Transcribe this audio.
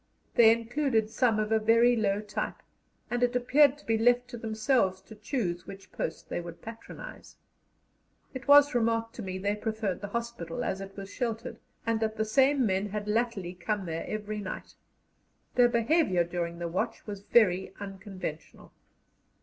They included some of a very low type, and it appeared to be left to themselves to choose which post they would patronize. It was remarked to me they preferred the hospital, as it was sheltered, and that the same men had latterly come there every night. Their behaviour during their watch was very unconventional.